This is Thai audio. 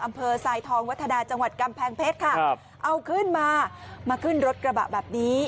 ทรายทองวัฒนาจังหวัดกำแพงเพชรค่ะครับเอาขึ้นมามาขึ้นรถกระบะแบบนี้